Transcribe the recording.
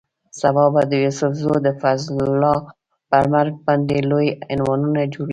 سبا به د یوسف زو د فضل الله پر مرګ باندې لوی عنوانونه جوړېږي.